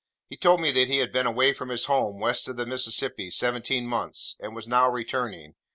He told me that he had been away from his home, west of the Mississippi, seventeen months: and was now returning.